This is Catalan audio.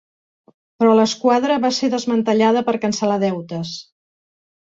Però l'esquadra va ser desmantellada per cancel·lar deutes.